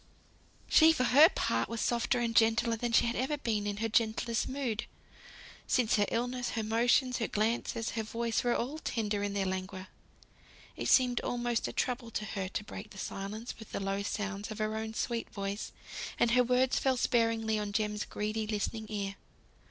She, for her part, was softer and gentler than she had ever been in her gentlest mood; since her illness, her motions, her glances, her voice were all tender in their languor. It seemed almost a trouble to her to break the silence with the low sounds of her own sweet voice, and her words fell sparingly on Jem's greedy, listening ear.